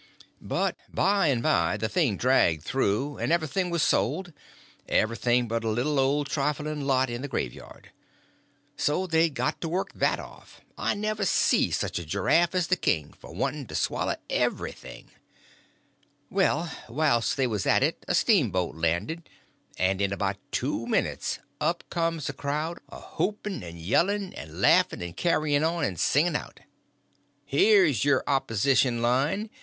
But by and by the thing dragged through, and everything was sold—everything but a little old trifling lot in the graveyard. So they'd got to work that off—I never see such a girafft as the king was for wanting to swallow everything. Well, whilst they was at it a steamboat landed, and in about two minutes up comes a crowd a whooping and yelling and laughing and carrying on, and singing out: "Here's your opposition line!